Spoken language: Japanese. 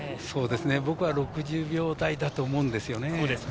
僕は６０秒台だと思うんですよね。